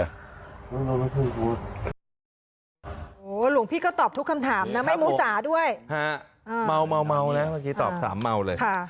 โหหลวงพี่ก็ตอบทุกคำถามนะไม่มุสาด้วยมาวแล้วเมื่อกี้ตอบ๓มาวเลย